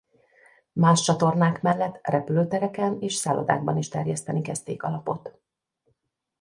Más csatornák mellett repülőtereken és szállodákban is terjeszteni kezdték a lapot.